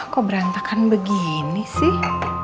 kok berantakan begini sih